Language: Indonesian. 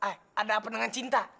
eh ada apa dengan cinta